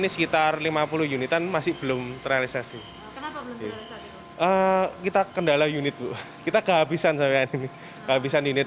sekitar lima puluh unitan masih belum terrealisasi kita kendala unit kita kehabisan sampai kehabisan unit